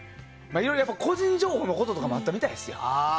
やっぱり個人情報のこととかもあったみたいですよ。